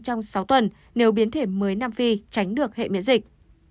trong sáu tuần nếu biến thể mới nam phi tránh được hệ miễn dịch